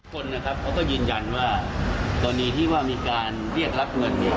คนนะครับเขาก็ยืนยันว่ากรณีที่ว่ามีการเรียกรับเงินเนี่ย